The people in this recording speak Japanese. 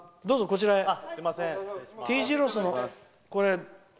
どうぞ、こちらへ。